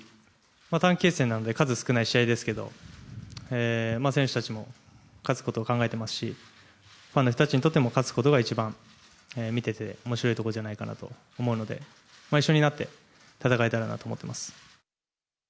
短期決戦なんで、数少ない試合ですけど、選手たちも勝つことを考えてますし、ファンの人たちにとっても、勝つことが一番見てて、おもしろいところじゃないかなと思うので、一緒になって戦えたらなと思っています。